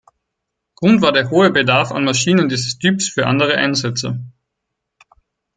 Grund war der hohe Bedarf an Maschinen dieses Typs für andere Einsätze.